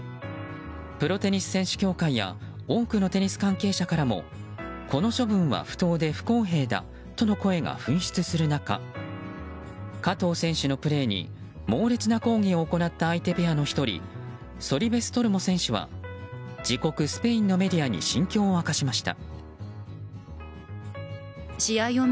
プロテニス選手協会や多くのテニス関係者からもこの処分は不当で不公平だとの声が噴出する中加藤選手のプレーに猛烈な抗議を行った相手ペアの１人ソリベス・トルモ選手は自国スペインのメディアに心境を明かしました。